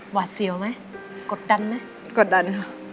หวัดเสี่ยวไหมกดตั้งกดดัน